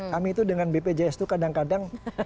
kami itu dengan bpjs itu kadang kadang